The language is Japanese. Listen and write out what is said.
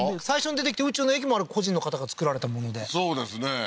最初に出てきた宇宙の駅もあれ個人の方が作られたものでそうですね